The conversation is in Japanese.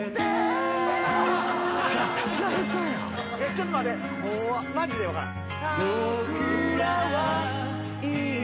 ちょっと待ってマジで分からん。